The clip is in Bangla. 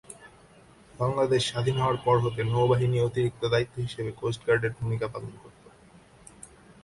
বাংলাদেশ স্বাধীন হওয়ার পর হতে নৌ বাহিনী অতিরিক্ত দায়িত্ব হিসেবে কোস্ট গার্ডের ভূমিকা পালন করত।